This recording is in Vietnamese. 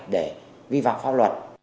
để vi phạm pháp luật